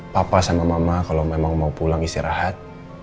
papa sama mama kalau memang mau pulang istirahat